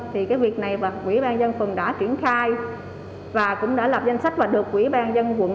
thì cái việc này quỹ ban nhân phường đã triển khai và cũng đã lập danh sách và được quỹ ban nhân quận